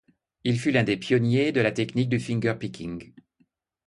Il fut l'un des pionniers de la technique du fingerpicking.